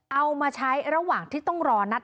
เอามาใช้ระหว่างที่ต้องรอนัด